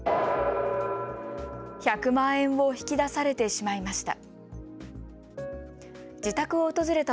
１００万円を引き出されてしまいました。